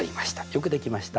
よくできました。